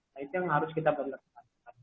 nah itu yang harus kita perhatikan